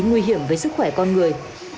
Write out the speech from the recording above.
nguy hiểm với sức khỏe con người